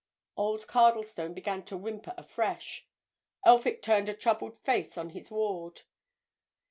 Old Cardlestone began to whimper afresh; Elphick turned a troubled face on his ward.